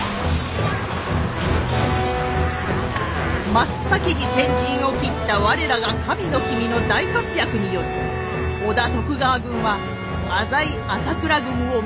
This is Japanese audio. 真っ先に先陣を切った我らが神の君の大活躍により織田徳川軍は浅井朝倉軍を見事撃破！